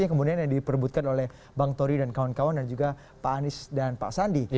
kemudian yang diperbutkan oleh bang tori dan kawan kawan dan juga pak anies dan pak sandi